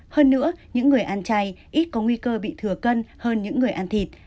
hơn nữa những người ăn chay ít có nguy cơ bị thừa cân hơn những người ăn thịt